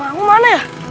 lah uang aku mana ya